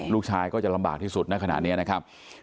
ลูกชายก็จะลำบากที่สุดในขณะนี้นะครับ